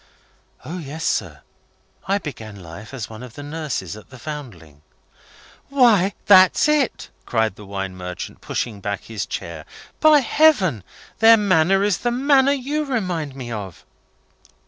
"O yes, sir. I began life as one of the nurses at the Foundling." "Why, that's it!" cried the wine merchant, pushing back his chair. "By heaven! Their manner is the manner you remind me of!"